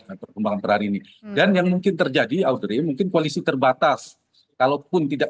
dengan perkembangan terhadini dan yang mungkin terjadi audrey mungkin koalisi terbatas kalaupun tidak